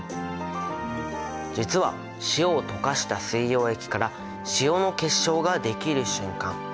実は塩を溶かした水溶液から塩の結晶ができる瞬間。